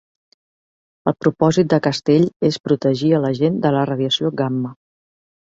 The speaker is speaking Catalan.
El propòsit de castell és protegir a la gent de la radiació gamma.